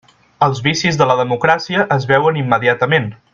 Els vicis de la democràcia es veuen immediatament.